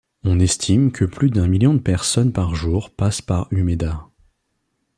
On estime que plus d'un million de personnes par jour passent par Umeda.